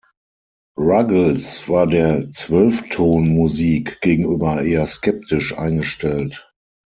Ruggles war der Zwölftonmusik gegenüber eher skeptisch eingestellt.